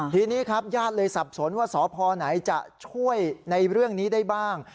ทีนี้ครับญาติเลยสับสนว่าสพไหนจะช่วยในเรื่องนี้ได้บ้าง